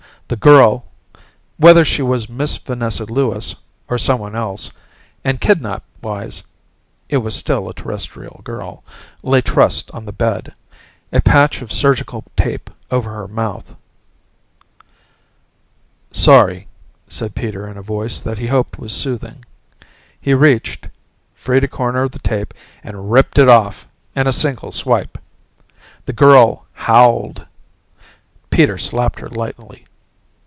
The girl whether she was Miss Vanessa Lewis or someone else, and kidnap wise it was still a Terrestrial girl lay trussed on the bed, a patch of surgical tape over her mouth. "Sorry," said Peter in a voice that he hoped was soothing. He reached, freed a corner of the tape and ripped it off in a single swipe. The girl howled. Peter slapped her lightly.